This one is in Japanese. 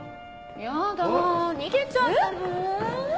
ヤダ逃げちゃったの？